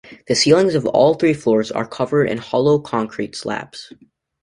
The ceilings of all three floors are covered in hollow concrete slabs.